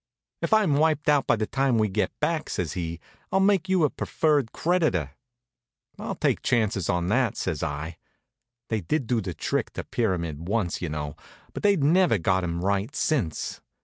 "If I'm wiped out by the time we get back," says he, "I'll make you a preferred creditor." "I'll take chances on that," says I. They did do the trick to Pyramid once, you know; but they'd never got him right since.